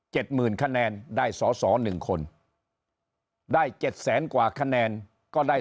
หมื่นคะแนนได้สอสอหนึ่งคนได้เจ็ดแสนกว่าคะแนนก็ได้